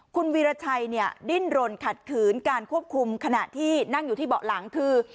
คุณวีรชัยเนี่ยดิ้นรนขัดขืนการควบคุมขณะที่นั่งอยู่ที่เบาะหลังคือ